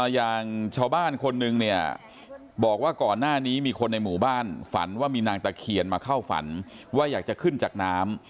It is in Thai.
อย่างชาวบ้านคนนึงเนี่ยบอกว่าก่อนหน้านี้มีคนในหมู่บ้านฝันว่ามีนางตะเคียนมาเข้าฝันว่าอยากจะขึ้นจากน้ำ